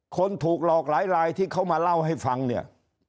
คนถูกหลอกหลายลายที่เขามาเล่าให้ฟังเนี่ย